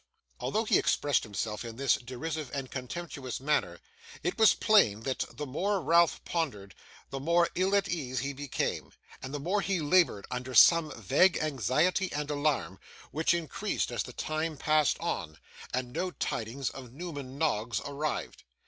Although he expressed himself in this derisive and contemptuous manner, it was plain that, the more Ralph pondered, the more ill at ease he became, and the more he laboured under some vague anxiety and alarm, which increased as the time passed on and no tidings of Newman Noggs arrived.